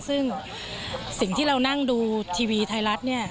ซึ่งสิ่งที่เรานั่งดูทีวีไทยรัฐเนี่ย